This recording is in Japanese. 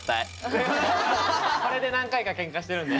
これで何回かケンカしてるんで。